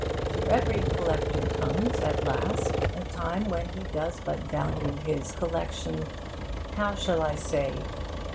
To every collector comes, at last, a time when he does but value his collection how shall I say?